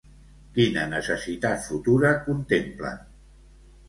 Quina necessitat futura contemplen?